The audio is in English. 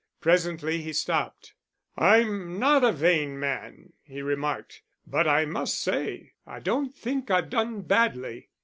Presently he stopped. "I'm not a vain man," he remarked, "but I must say I don't think I've done badly."